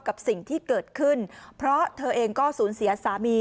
กับสิ่งที่เกิดขึ้นเพราะเธอเองก็สูญเสียสามี